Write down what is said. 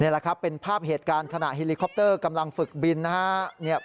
แหละครับเป็นภาพเหตุการณ์ขณะเฮลิคอปเตอร์กำลังฝึกบินนะครับ